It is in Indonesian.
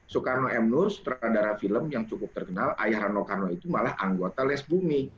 soekarno m nur sutradara film yang cukup terkenal ayah rano karno itu malah anggota les bumi